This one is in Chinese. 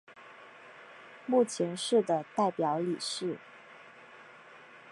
目前是的代表理事。